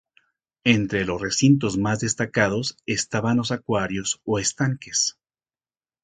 Entre los recintos más destacados estaban los acuarios o estanques.